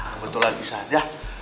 kebetulan bisa dah